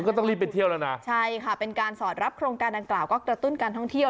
ก็ต้องรีบไปเที่ยวแล้วนะใช่ค่ะเป็นการสอดรับโครงการดังกล่าวก็กระตุ้นการท่องเที่ยว